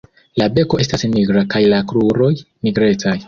La beko estas nigra kaj la kruroj nigrecaj.